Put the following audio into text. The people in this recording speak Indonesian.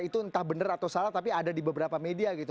itu entah benar atau salah tapi ada di beberapa media gitu